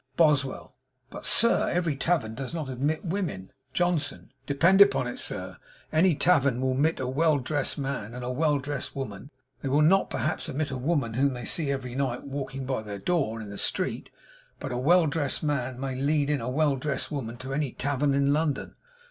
BOSWELL. 'But, Sir, every tavern does not admit women.' JOHNSON. 'Depend upon it, Sir, any tavern will admit a well drest man and a well drest woman; they will not perhaps admit a woman whom they see every night walking by their door, in the street. But a well drest man may lead in a well drest woman to any tavern in London.